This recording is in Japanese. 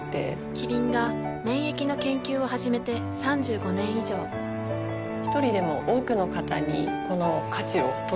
キリンが免疫の研究を始めて３５年以上一人でも多くの方にこの価値を届けていきたいと思っています。